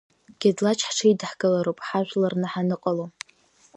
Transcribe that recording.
Гьадлач, ҳҽеидаҳкылароуп ҳажәларны ҳаныҟало.